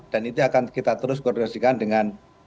dan itu akan kita terus koordinasikan dengan